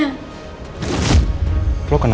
tidak ada paketnya